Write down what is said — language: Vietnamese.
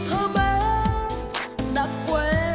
thơ bé đã quên